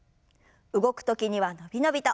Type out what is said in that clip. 動く時には伸び伸びと。